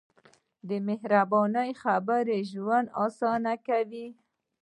د مهربانۍ خبرې ژوند اسانه کوي.